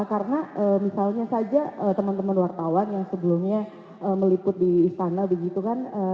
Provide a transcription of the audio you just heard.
karena misalnya saja teman teman wartawan yang sebelumnya meliput di istana begitu kan